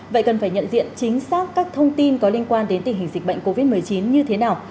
vậy cần phải nhận diện chính xác các thông tin có liên quan đến tình hình dịch bệnh covid một mươi chín như thế nào